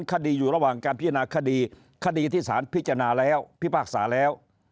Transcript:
คดีอยู่ระหว่างการพิจารณาคดีคดีที่สารพิจารณาแล้วพิพากษาแล้ว